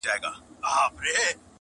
که بارونه په پسونو سي څوک وړلای٫